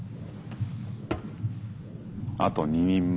あと２人前。